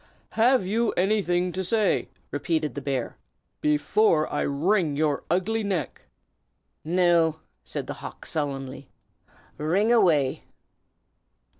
"Have you anything to say?" repeated the bear, "before I wring your ugly neck?" "No!" replied the hawk, sullenly, "wring away."